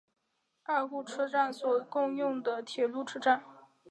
二户车站所共用的铁路车站。